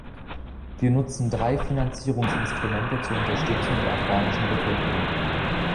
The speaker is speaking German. Wir nutzen drei Finanzierungsinstrumente zur Unterstützung der afghanischen Bevölkerung.